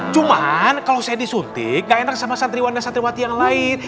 cuman kalau saya disuntik gak enak sama santri wanda santriwati yang lain